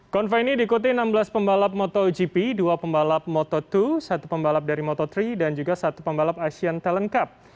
konvoy ini diikuti enam belas pembalap motogp dua pembalap moto dua satu pembalap dari moto tiga dan juga satu pembalap asian talent cup